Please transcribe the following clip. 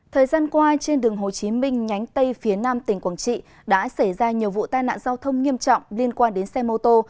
thời gian qua trên đường hồ chí minh nhánh tây phía nam tỉnh quảng trị đã xảy ra nhiều vụ tai nạn giao thông nghiêm trọng liên quan đến xe mô tô